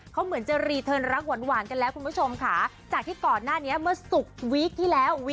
เขาเหมือนจะรีเทิร์นรักหวานกันแล้วคุณผู้ชมค่ะจากที่ก่อนหน้านี้เมื่อศุกร์วีคที่แล้ว